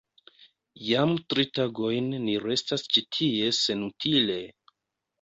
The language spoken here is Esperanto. Jam tri tagojn ni restas ĉi tie senutile!